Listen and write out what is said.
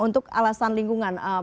untuk alasan lingkungan